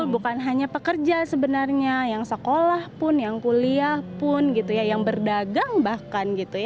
bukan hanya pekerja sebenarnya yang sekolah pun yang kuliah pun yang berdagang bahkan